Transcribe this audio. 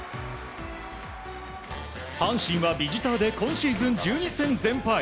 阪神はビジターで今シーズン１２戦全敗。